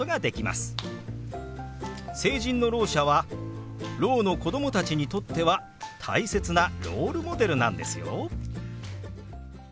成人のろう者はろうの子供たちにとっては大切なロールモデルなんですよ。